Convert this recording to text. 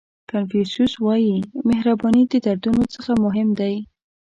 کانفیوسیس وایي مهرباني د دردونو څخه مهم دی.